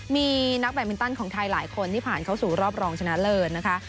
มีนักแบตมินตันของไทยหลายคนที่ผ่านเข้าสู่รอบรองชนะเลิศนะคะ